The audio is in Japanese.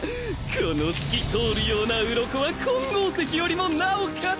この透き通るようなうろこは金剛石よりもなお硬く強い！